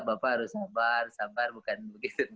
bapak harus sabar sabar bukan begitu